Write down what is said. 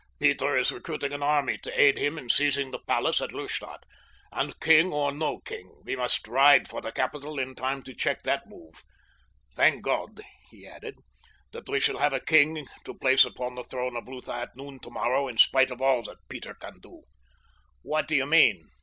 "Peter is recruiting an army to aid him in seizing the palace at Lustadt, and king or no king, we must ride for the capital in time to check that move. Thank God," he added, "that we shall have a king to place upon the throne of Lutha at noon tomorrow in spite of all that Peter can do." "What do you mean?"